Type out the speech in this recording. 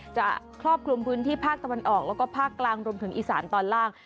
ครอบคลุมพื้นที่ภาคตะวันออกแล้วก็ภาคกลางรวมถึงอีสานตอนล่าง